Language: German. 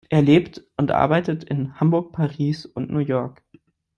Er lebt und arbeitet in Hamburg, Paris und New York.